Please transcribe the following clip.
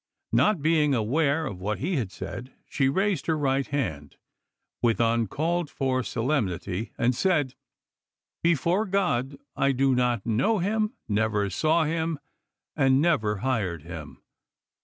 Not being aware of what he had said, she raised her right hand, with uncalled for solemnity, and said, "Before God, I do not know him, never saw him, and never hired him."